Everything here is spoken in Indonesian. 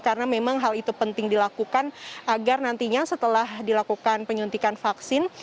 karena memang hal itu penting dilakukan agar nantinya setelah dilakukan penyuntikan vaksin